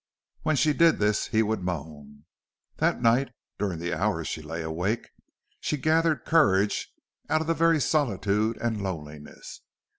When she did this he would moan. That night, during the hours she lay awake, she gathered courage out of the very solitude and loneliness.